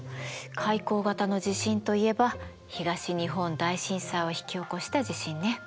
海溝型の地震といえば東日本大震災を引き起こした地震ね。